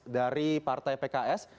dari partai pks